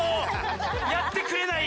やってくれない。